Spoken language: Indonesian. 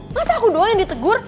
masa aku doa yang ditegur